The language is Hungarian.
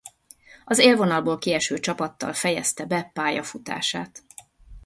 Az élvonalból kieső csapattal fejezte be pályafutását.